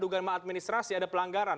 dugaan maadministrasi ada pelanggaran